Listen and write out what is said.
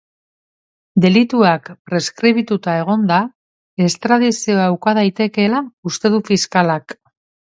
Delituak preskribituta egonda, estradizioa uka daitekeela uste du fiskalak.